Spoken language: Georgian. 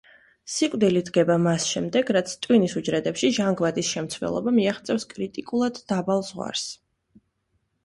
სიკვდილი დგება მას შემდეგ, რაც ტვინის უჯრედებში ჟანგბადის შემცველობა მიაღწევს კრიტიკულად დაბალ ზღვარს.